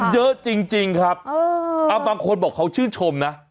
เยอะจริงครับบางคนบอกเขาชื่นชมนะ